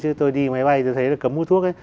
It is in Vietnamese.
chứ tôi đi máy bay tôi thấy là cấm mua thuốc ấy